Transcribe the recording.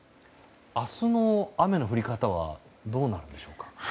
明日の雨の降り方はどうなるのでしょうか。